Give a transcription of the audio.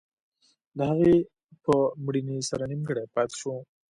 د هغه په مړینې سره نیمګړی پاتې شو.